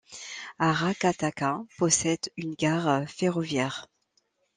Aracataca possède une gare ferroviaire.